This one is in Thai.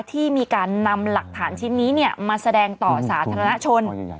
ที่มีการนำหลักฐานชิ้นนี้มาแสดงต่อสาธารณชน